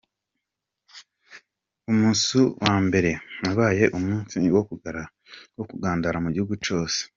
Umusu wa mbere wabaye umusi wo kugandara mu gihugu cose.